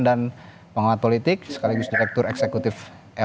dan penguat politik sekaligus direktur eksekutif pks